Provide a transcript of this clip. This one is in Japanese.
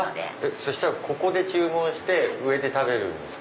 そしたらここで注文して上で食べるんですか？